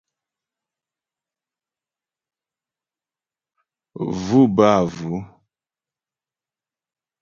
Vʉ̂ bə́ â vʉ̌.